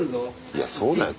いやそうだよ。